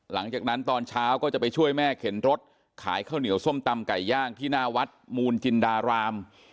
หลังจากนั้นตอนเช้าก็จะไปช่วยแม่เข็นรถขายข้าวเหนียวส้มตำไก่ย่างที่หน้าวัดมูลจินดาราม